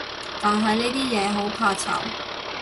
但係呢啲嘢，好怕醜